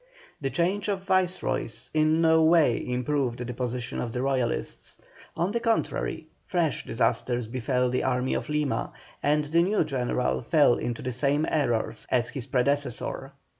The change of Viceroys in no way improved the position of the Royalists; on the contrary, fresh disasters befell the army of Lima, and the new general fell into the same errors as his predecessor.